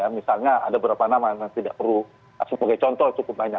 misalnya ada beberapa nama yang tidak perlu sebagai contoh cukup banyak